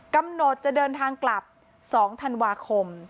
กำหนดจะเดินทางกลับ๒ธันวาคม